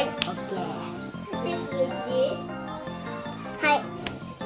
はい。